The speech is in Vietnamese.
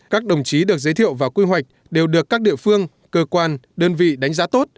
các đồng chí được giới thiệu và quy hoạch đều được các địa phương cơ quan đơn vị đánh giá tốt